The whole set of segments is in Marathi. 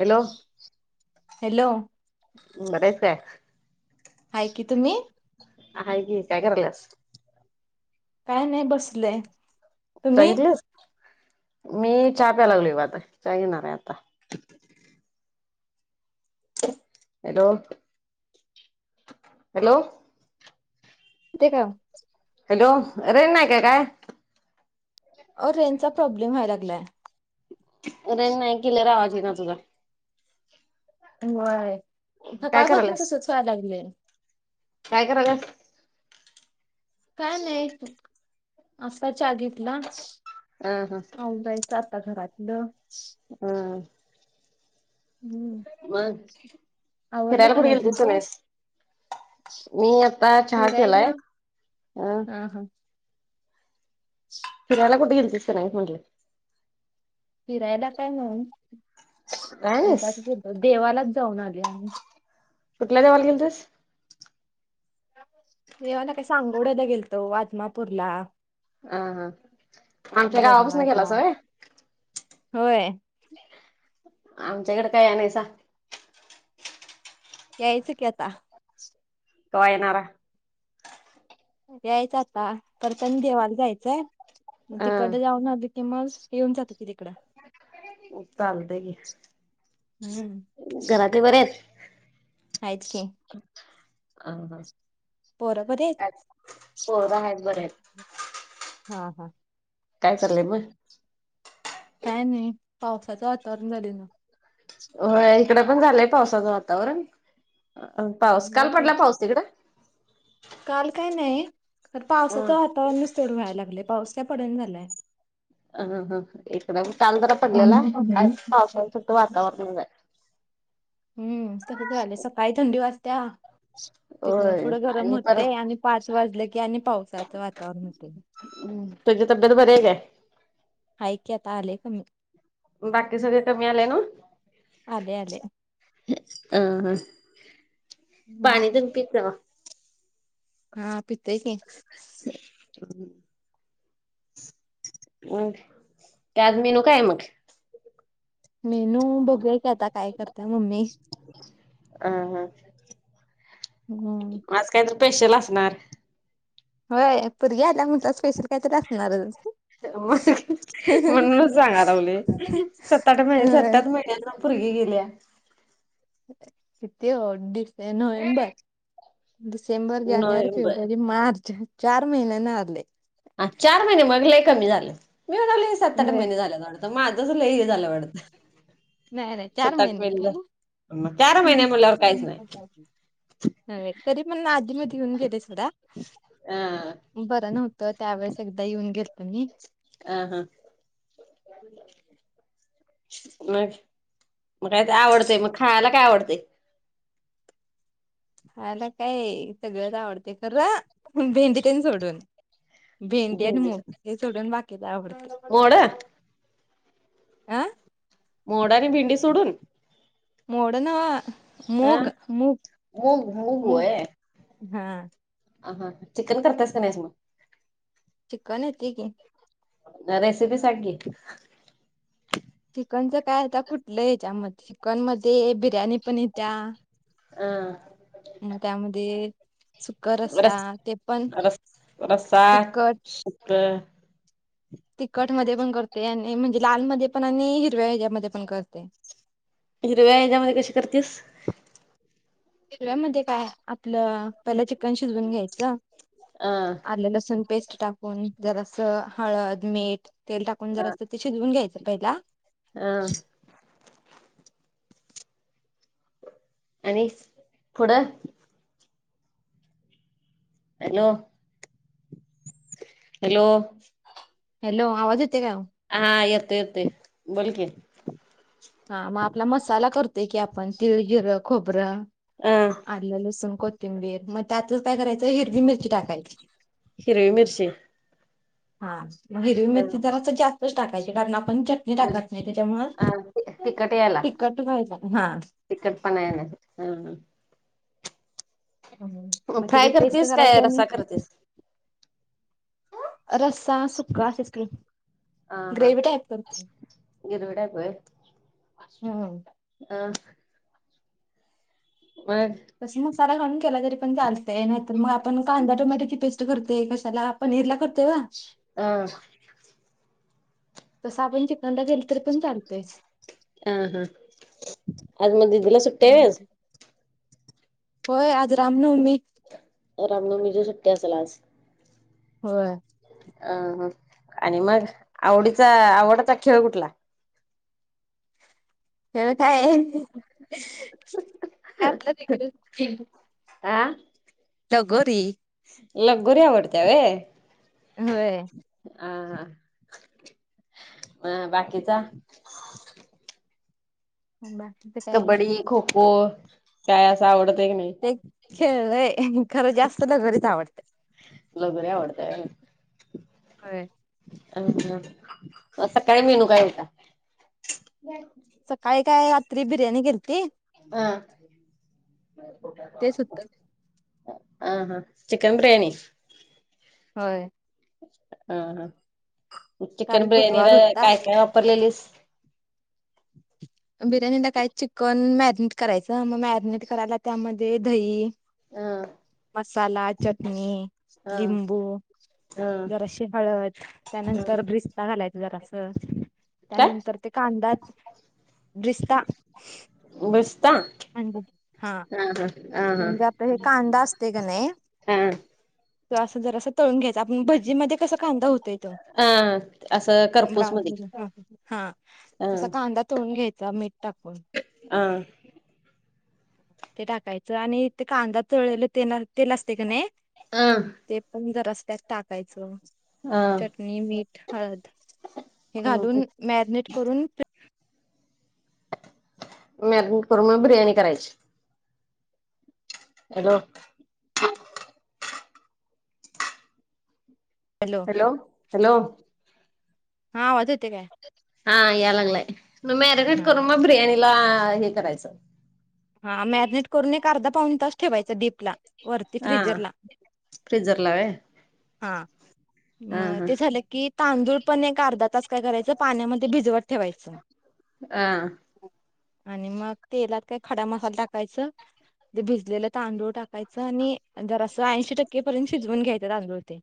हॅलो? हॅलो? बरी हायस काय? हाय की तुम्ही? हाय की काय करालियास? काय नाय बसलय. चा तुम्ही घेतलीस? मी चा प्यायलागलोय बघ आता चहा येणार आहे आता. हॅलो? हॅलो? ठिक हाव. हॅलो? रेंज नाय का काय? ओ रेजंचा प्रॉब्लेम व्हाय लागलाय. रेंज नायी केिलेर आवाज येईना तुझा. व्हंय काय सकाळपासन करायलास तसचं व्हाय लागलंय. काय कराल्यास? काय नायी आता चहा घेतला हा हा आवराय च आता घरातलं. हां. हम्म मगं आवरलं फिरायला का कुठं नाही गेलतीस काय तुमचं नाहीस? मी आता चहा केलायं फिरायला अं हा हा [inaudible] फिरायला कुठं गेलतिस का नायी म्हटलं? फिरायला काय नायी काय नाहीस हेवाच गेलो, देवालाच जाऊन आलोय आम्ही कुठल्यां देवाला गेलतीस? देवाला काय सांगोवडयाला गेलतो आदमापूरला अं हां आमच्या गावापसंन गेलासा होय? होंय. आमच्याकडं का या नायीसा? यायचं की आता. कवा येनारा? यायचं आता परतनी देवाला जायचंय, हा तिकडन जाऊन आलो- कि मगं येऊन जातो की तिकडं. चालतंय की हम्म घरातली बरीयेत? हायत की. अं हं पोरं बरी आहेत? आज पोरं हायत बरी हायत. हां हां. काय चाललंय मगं? काय नायी पावसाचं वातावरण झाले नव्ह. होय इकडं पण झालंय पावसाचं वातावरण पाऊस बघा काल पडला की. पाऊस तीकड? काल काय नाही खरं होय. पावसाचं वातावरणच तेवढं व्हायला लागलंय पाऊस काय पडणा झालाय. हा हा इकडं काल जरा पडलेला आज पावसाच फक्त हम्म वातावरणच हाय. हम्म तसचं व्हालयं सकाळी थंडी वाजत्या तिथनं होय पुढं गरम आणि परत होतंय आणि पाच वाजले की आणि पावसाचं वातावरण हुतयं. हम्म, तुझी तब्येत बरी हाय काय? हाय की आता आलंय कमी. बाकी सगळं कमी आलंय नव्हं? आलंय आलंय. अ हम्म पानी तेन पित जावा. हा पितोय की. ह. ओ कँबने येऊ काय मग? मेनू बघूया की, आता काय करतीय मम्मी. हा हा. हम्. म आज कायतर स्पेशल असणार? होय पोरगी आल्या म्हणताना, स्पेशल काहीतरी असणारच. होय म्हणूनच सांगा लागलोय सत्ताट महि अ सत्ताट महिन्यातन पुरगी गेल्या किती हो ते नोव्हेंबर, डिसेंबर, जानेवारी, नोव्हेंबर फेब्रुवारी, मार्च. चार महिन्यानं आले. हा चार महिने मग लय कमी झालं, मी म्हणालोय सत्ताट होय महिने झाल्यात वाढतं. आता माझंच लय हे झालं वाढतं. नाही नाही चार महिने. झालं मग चार महिने म्हणल्यावर काहीच नाही. होय तरी पण आधी मधी येऊन गेले सोडा. हं. ‌‌. बरं नव्हतं त्यावेळेस एकदा येऊन गेलतो मी. अहं. मग म काय आवडतय मग खायला काय आवडतय? खायाला काय सगळंच आवडतय खर भेंडी तेन सोडून. भेंडी आणि मूग हे सोडून बाकीच आवडतय. मोड अं. मोड आणि भेंडी सोडून? मोड नव्हं अ मूग मूग मूग हा. असं अस चिकन करतीयास काय नाहीस म? चिकन येतंय की. जरा रेसिपी सांग की. चिकनचं काय आता कुठलं यांच्यामध्ये, चिकन मध्ये बिर्याणी पण येत्या अह. म त्यामध्ये सुक्का रस्सा रस ते पण तिखटं. बरं. तिखटमध्ये पण करते, आणि म्हणजे लालमध्ये पण आणि हिरव्या हेच्यामध्ये पण करते. हिरव्या हेच्यामध्ये कशी करतीस? हिरव्यामध्ये काय आपलं पहिला चिकन शिजवून घ्यायचं अ आल्ल, लसूण पेस्ट टाकून जरास हळद, मीठ, तेल टाकून जरास ते शिजवून घ्यायचं पहिला. अ, आणि पुढं हॅलो हॅलो, हॅलो, आवाज येते काव? हा येतो येतोय. बोल की, हा मग आपला मसाला करतोय की आपण तिळ, जीरं, खोबरं, अ आलं, लसूण, कोथिं थिंबीर मग त्यातच काय करायचं? हिरवी मिरची टाकायची. हिरवी मिरची हा, हिरवी अ मिरची जरासं जास्तच टाकायची. कारण आपण चट ते म्हणजे टाकत नाही त्याच्यामुळ अ तिखट यायला तिखट व्हायच हा तिखटपणा येणासाठी. ह ह, हा मग फ्राय तीची पेस्ट करतेस करायची काय आणि रस्सा करतेस? रस्सा सुंका असच की, अ हा, हम्म [unintelligible] अ, मग तसं मसाला घालून केला तरी पण चालतय. नाहीतर मग आपण कांदा टोमॅट्याची पेस्ट करते. कशाला पनीर ला करतो वा अ, तसं आपण चिकनला घरी आ हा आज मग दिदी ला सुट्टी आहे होय अज. होय आज रामनवमी. रामनवमीची सुट्टी असल आज? होय. अ ह, आणि मग आवडीचा आवडाचा खेळ कुठला? खेळ काय आपलं रेग्युलर आ, तगोरी. लगोरी आवडते होय. होय. आ हा, म बाकीचा? बाकीच काय कबड्डी, खो-खो काय असं आवडत की नाही? ते खेळ व्हय, खरं जास्त लगोरी आवडते. लगोरी आवडतय. होय. अ न सकाळी मेनू काय होता? [unintelligible] सकाळी काय, रात्री बिर्याणी केलती. अं, तेच होतं [unintelligible] अ ह, चिकन ब्रिर्याणी होय. अह, काल चिकन बुधवार बिर्याणीला होता. काय काय वापरलेलीस?. बिर्याणीला काय चिकन मॅरिनेट करायचा. मग मॅरिनेट करायला त्यामध्ये दही अ, साला, चटणी, हा लिंबू हा जराशी हळद हा त्यानंतर ब्रिस्ता घालायचं जरासं. काय त्यानंतर ते कांदा ब्रिस्ता ब्रिस्ता?. हा. ह हा आ म्हणजे आपलं हे कांदा असते कीं नाही हा ते असं जरासं तळून घ्यायचा, आपण भजीमध्ये कसं कांदा होतोय तो हा असं क ब्राऊन हा अ असं कांदा तळून घ्यायचा मीठ टाकून. [inaudible] ते टाकायचं आणि ते कांदा तळलेलं तेल असते का नाही? अ ते पण जरासं त्यात टाकायचं. हा. हें मीठ हळद हे हा घालून मॅरनेट करून पी मॅगनेट करून मग बिर्याणी करायची. हॅलो हॅलो हा आवाज येतोय काय? हा यालांगलाय, म मॅरनेट हा करून म बिर्याणीला हे करायचं. हा मॅरिनेट करून एक अर्धा पाऊन तास ठेवायचा डीप ला. वरती हा फ्रिजरला. फ्रिजरला व्हय हा हा म हा ते झालं की तांदूळ पण एक अर्धा तास काय करायचं पाण्यामध्ये भिजवत ठेवायचं. [inaudible] आणि मग तेलात काय खडा मसाला टाकायचं, ते भिजलेलं तांदूळ टाकायचं आणि जरासं ऐंशी टक्केपर्यंत शिजवून घ्यायचं तांदुळ ते.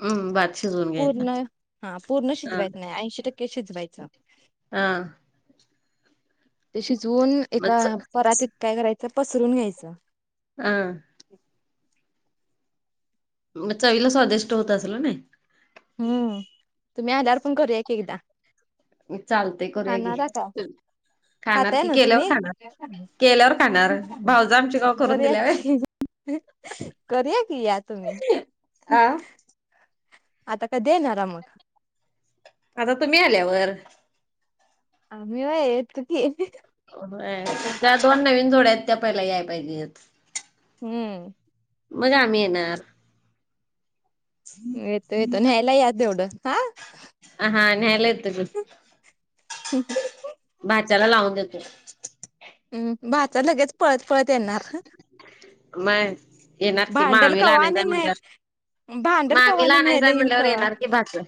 हम्म भात शिजवून घ्यायचा पूर्ण हा पूर्ण हा शिजवायचं नाही, ऐंशी टक्के शिजवायचं. हा आ. ते शिजवून मग एका च परातीत काय करायचं पसरून घ्यायचं. हा. म चवीला स्वादिष्ट होत असलं नाही? हं तुमी आल्यावर पण करूयाकी एकदा. चालतंय करूया की. खाणारा का खाणार खाताय की ना केल्यावर तुम्ही? खाणार, केल्यावर खाणार भाऊजं आमची कवा करून दिल्या व्हय? ही करुया की या तुम्ही. आ आता कदी येणारा मग?. आता तुम्ही आल्यावर, आम्ही व्हय येतो की. व्हय त्या दोन नवीन जोड्या आहेत त्या पहिला याय पाहिजेत. हं. मग आम्ही येनार. येतो, येतो न्यायला या तेवढं हा. अ हा न्यायला येतो बग. ह ह भाच्याला लावून देतो. हम भाचा लगेच पळत पळत येणार. मग येणार की भांडल मामीला कवा आणि आणायचंय न्याय म्हणल्यावर भांडल कवा मामीला आणि न्यायला आणायचंय ईल म्हणल्यावर कवा येणार की भाचं.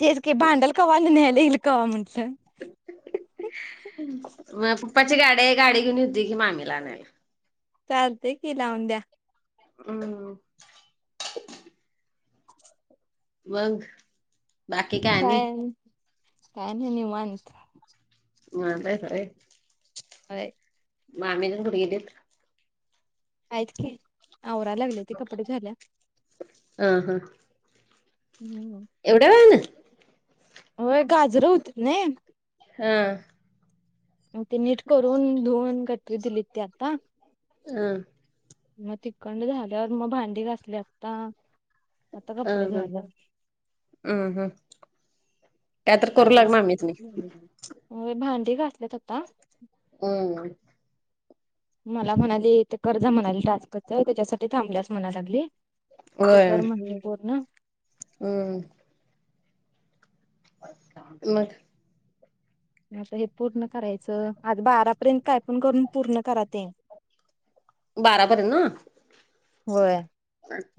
तेच की भांडल कवा आणि न्यायला ईल कवा म्हणलं. मग पप्पाची गाडी हाय गाडी घेऊन येतोय की मामीला आणायला. चालतय की लावून द्या. हम मग काय आणि, काय नाही निवांत. माजल खरा आहे. होय मामी तेनं कुठं गेलेत? आहेत की, आवरा लागल्या ती कपडे धुवाल्या. अ हम्म एवढया वेळानं होय गाजरं होतीत नाही. हा मग ते नीट करून धुवून कटरी दिली ते आता हं मग तिकडं झाल्यावर भांडी घासली आता आता हा कपडे हम् झालं हम् हम्म त्या तर करू लागनार माहीत नाही. होय भांडी घासल्यात आता हम्म मला म्हणाली ते कर जा म्हणाली टास्कच त्याच्यासाठी थांबल्यास म्हणा लागली. ते होय कर म्हणली पुर्ण हम्म मग आता हे पूर्ण करायचं, आज बारापर्यंत आहे पण करून पूर्ण करा ते बारापर्यंत ना होय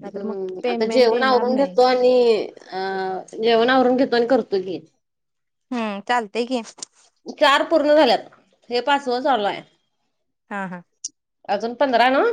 नाहीतर मग आता पेमेंट जेवण येणार आवरून नाही. घेतो आणि ते अ जेवण आवरून घेतो आणि करतो की हम्म चालतय की चार पूर्ण झाल्यात, हे पाचव चालू हाय. हा हा अजून पंधरा नव्ह?